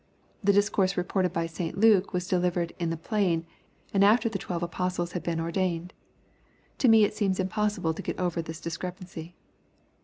The discourse reported by St. Luke, was de livered " in the plain," and after the twelve apostles had been ordained. To me it seems impossible to get over this discrep ancy.